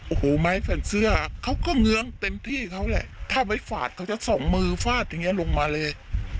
โอ้โหไม้แผ่นเสื้อเขาก็เงื้องเต็มที่เขาแหละถ้าไม้ฝาดเขาจะส่งมือฟาดอย่างเงี้ยลงมาเลย